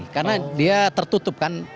karena dia tertutup kan